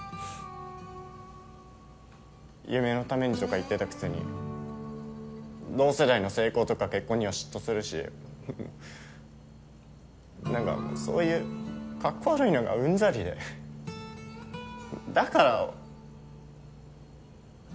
夢のためにとか言ってたくせに同世代の成功とか結婚には嫉妬するしなんかもうそういうかっこ悪いのがうんざりでだから。